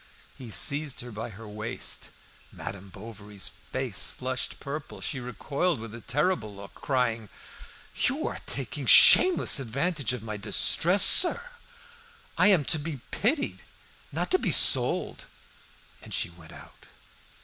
He seized her by her waist. Madame Bovary's face flushed purple. She recoiled with a terrible look, crying "You are taking a shameless advantage of my distress, sir! I am to be pitied not to be sold." And she went out.